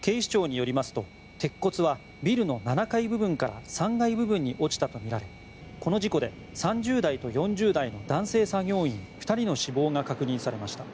警視庁によりますと鉄骨はビルの７階部分から３階部分に落ちたとみられこの事故で３０代と４０代の男性作業員２人の死亡が確認されました。